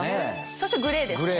そしてグレーですね